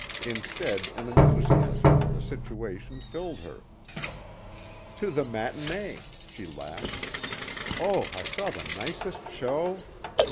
Instead an enthusiasm for the situation filled her. "To the matinee," she laughed. "Oh, I saw the nicest show."